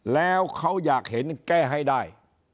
แล้วเขาอยากเห็นแก้ให้ได้